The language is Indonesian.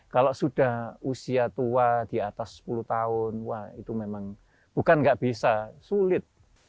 kalau sudah usia tua di atas sepuluh tahun wah itu memang bukan nggak bisa sulit